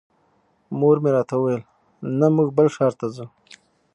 مور مې راته وویل نه موږ بل ښار ته ځو.